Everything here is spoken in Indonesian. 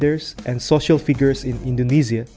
pemimpin bisnis dan figur sosial di indonesia